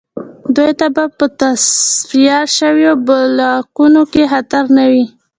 دوی ته به په تصفیه شویو بلاکونو کې خطر نه وي